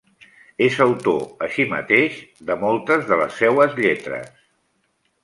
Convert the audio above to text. És autor, així mateix, de moltes de les seues lletres.